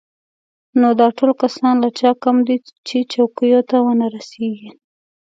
نو دا ټول کسان له چا کم دي چې چوکیو ته ونه رسېږي.